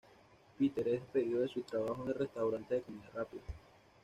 Peter es despedido de su trabajo en el restaurante de comida rápida.